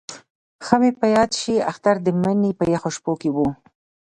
ښه مې په یاد شي اختر د مني په یخو شپو کې وو.